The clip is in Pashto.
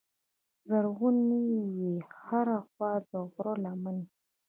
زرغونې وې هره خوا د غرو لمنې